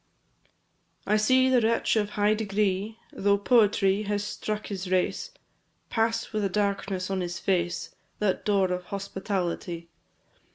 I see the wretch of high degree, Though poverty has struck his race, Pass with a darkness on his face That door of hospitality.